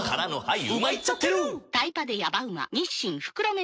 はい。